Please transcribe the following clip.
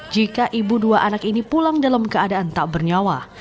jika ibu dua anak ini pulang dalam keadaan tak bernyawa